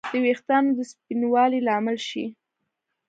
د ویښتانو د سپینوالي لامل شي